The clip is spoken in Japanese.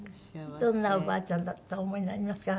どんなおばあちゃんだとお思いになりますか？